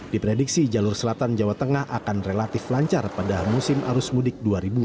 di prediksi jalur selatan jawa tengah akan relatif lancar pada musim arus mudik dua ribu enam belas